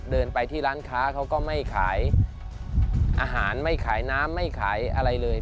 เดินไปที่ร้านค้าเขาก็ไม่ขายอาหารไม่ขายน้ำไม่ขายอะไรเลย